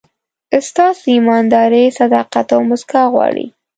ستاسو ایمانداري، صداقت او موسکا غواړي.